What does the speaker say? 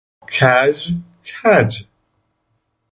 کژ ـ کج